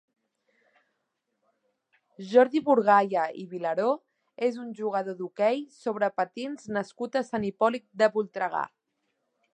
Jordi Burgaya i Vilaró és un jugador d'hoquei sobre patins nascut a Sant Hipòlit de Voltregà.